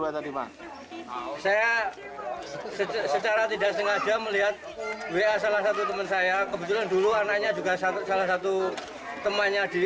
terima kasih om